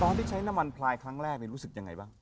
ที่ใช้น้ำมันพลายครั้งแรกรู้สึกยังไงบ้าง